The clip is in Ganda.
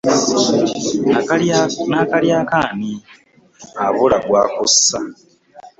Nnakalyako ani, abula gwakussa .